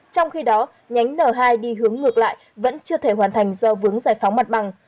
trong khi đó nhánh n hai đi hướng ngược lại vẫn chưa thể hoàn thành do vướng giải phóng mặt bằng